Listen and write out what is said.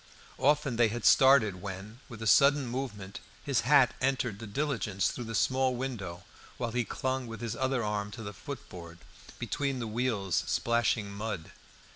Often they had started when, with a sudden movement, his hat entered the diligence through the small window, while he clung with his other arm to the footboard, between the wheels splashing mud.